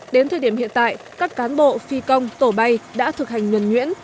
đến thời điểm hiện tại các cán bộ phi công tổ bay đã thực hành nguyện nguyễn